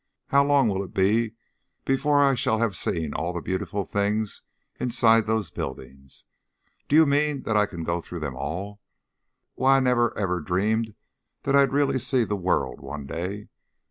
"How long will it be before I shall have seen all the beautiful things inside those buildings? Do you mean that I can go through all of them? Why, I never even dreamed that I'd really see the world one day.